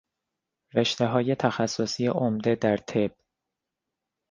رشتههای تخصصی عمده در طب